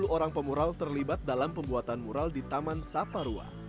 empat puluh orang pemural terlibat dalam pembuatan mural di taman saparwa